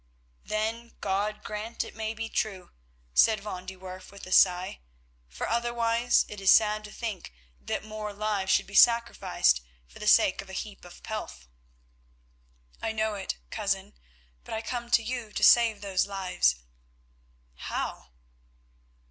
"Then God grant it may be true," said van de Werff with a sigh, "for otherwise it is sad to think that more lives should be sacrificed for the sake of a heap of pelf." "I know it, cousin, but I come to you to save those lives." "How?"